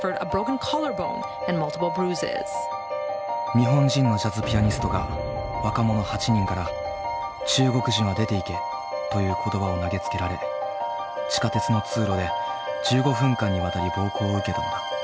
日本人のジャズピアニストが若者８人から中国人は出ていけという言葉を投げつけられ地下鉄の通路で１５分間にわたり暴行を受けたのだ。